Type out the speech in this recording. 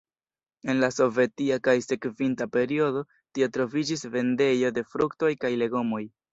En la sovetia kaj sekvinta periodo tie troviĝis vendejo de fruktoj kaj legomoj.